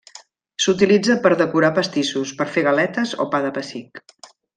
S'utilitza per decorar pastissos, per fer galetes o Pa de pessic.